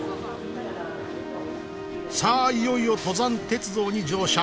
さあいよいよ登山鉄道に乗車。